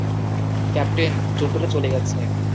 Captain, জন্তুটা চলে গেছে।